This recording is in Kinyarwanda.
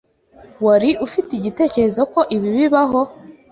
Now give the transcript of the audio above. Wari ufite igitekerezo ko ibi bibaho?